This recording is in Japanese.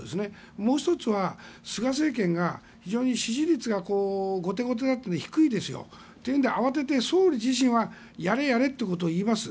もう１つは、菅政権が非常に支持率が後手後手だったので低いですよ。というので、慌てて総理自身はやれ、やれということを言います。